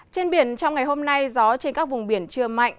trên biển trong ngày hôm nay gió trên các vùng biển chưa mạnh